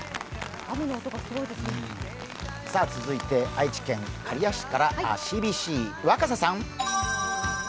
続いて愛知県刈谷市からＣＢＣ若狭さん。